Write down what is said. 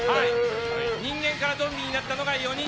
人間からゾンビになったのが４人。